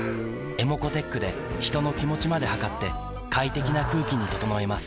ｅｍｏｃｏーｔｅｃｈで人の気持ちまで測って快適な空気に整えます